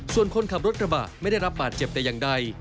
ส่วนคนขับรถกระบะไม่ได้รับบาดเจ็บแต่อย่างใด